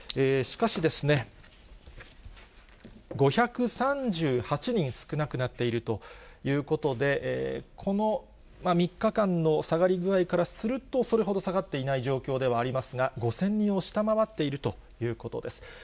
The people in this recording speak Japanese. しかしですね、５３８人少なくなっているということで、この３日間の下がり具合からすると、それほど下がっていない状況ではありますが、５０００人を下回っているということです。